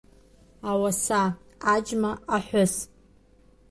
Ауаса, аџьма, аҳәыс…